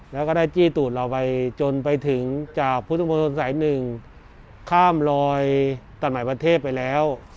แล้วก็ได้จี้ตูดเราไปจนไปถึงจากพุทธมนตร์สายหนึ่งข้ามลอยตัดหมายประเทศไปแล้ว